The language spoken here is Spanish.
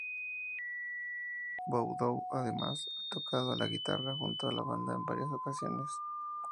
Boudou, además, ha tocado la guitarra junto a la banda en varias ocasiones.